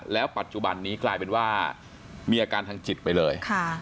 แล้วปัจจุบันนี้กลายเป็นว่ามีอาการทางจิตไปเลย